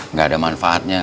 nggak ada manfaatnya